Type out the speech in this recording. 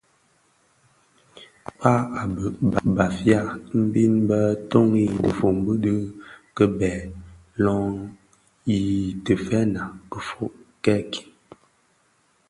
Kpag a bheg Bafia mbiň bè toňi dhifombi di kibèè löň itèfèna kifög kèèkin,